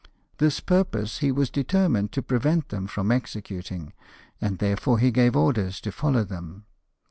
This purpose he was determined to prevent them from executing, and therefore he gave orders to follow them.